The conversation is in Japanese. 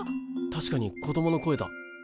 確かに子供の声だ。